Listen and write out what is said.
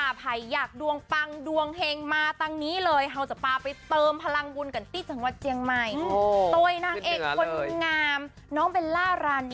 อ้าวคุณผู้ชมเจ้าไปเจียงใหม่กันเลยเดี๋ยวกว่า